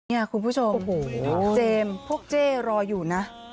นี่คุณผู้ชมเจมส์พวกเจ๊รออยู่นะ